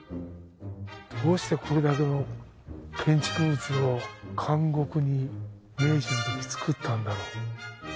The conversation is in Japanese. どうしてこれだけの建築物を監獄に明治のとき作ったんだろう？